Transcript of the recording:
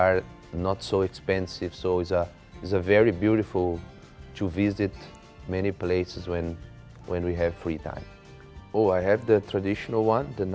เป็นสงสัยชูสันตินสองบนสูบเป็นสงสัยเก่งขึ้นเกือบกับโลกดินที่อื่น